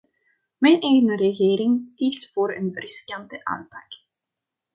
Mijn eigen regering kiest voor een riskante aanpak.